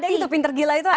ada gitu pinter gila itu ada